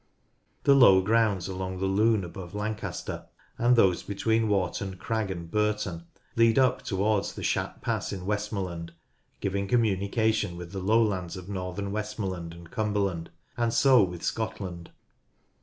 The low grounds along the Lune above Lancaster, and those between Warton Crag and Burton, lead up towards the Shap Pass in Westmorland, giving communication with the lowlands of northern Westmorland and Cumberland, and so with Scotland.